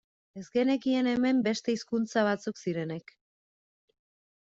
Ez genekien hemen beste hizkuntza batzuk zirenik.